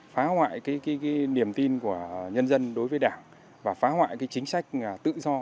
phá hoại cái niềm tin của nhân dân đối với đảng và phá hoại chính sách tự do